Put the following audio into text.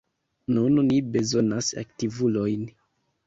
Nun, ni bezonas aktivulojn!